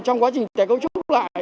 trong quá trình tái công trúc lại